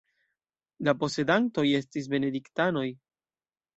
La posedantoj estis benediktanoj.